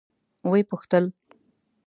ويې پوښتل.